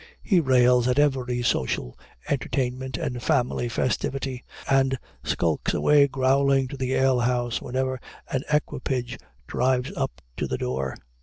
He rails at every social entertainment and family festivity, and skulks away growling to the ale house whenever an equipage drives up to the door.